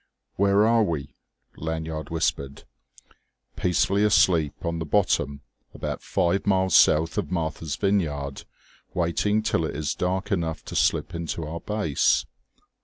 "Where are we?" Lanyard whispered. "Peacefully asleep on the bottom, about five miles south of Martha's Vineyard, waiting till it is dark enough to slip in to our base."